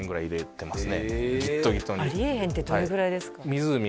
ありえへんってどれぐらいですか？